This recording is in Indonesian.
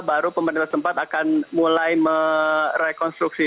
baru pemerintah tempat akan mulai merekonstruksi